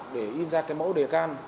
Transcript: để in ra cái mẫu đề can